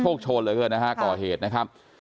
พวกโชนเลยด้วยนะฮะก่อเหตุนะครับ